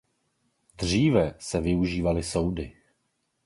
Dříve se využívaly soudy.